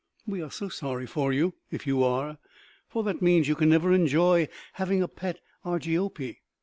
We are so sorry for you if you are, for that means you can never enjoy having a pet Argiope.